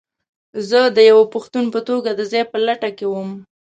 زه د یوه پښتون په توګه د ځاى په لټه کې وم.